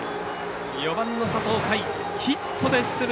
４番の佐藤海、ヒットで出塁。